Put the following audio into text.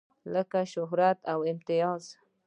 لکه شهرت او امتياز.